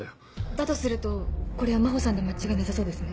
だとするとこれは真帆さんで間違いなさそうですね。